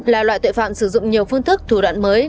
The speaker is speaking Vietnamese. là loại tội phạm sử dụng nhiều phương thức thủ đoạn mới